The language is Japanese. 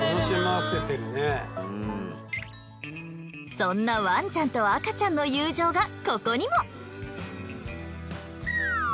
そんなワンちゃんと赤ちゃんの友情がここにも。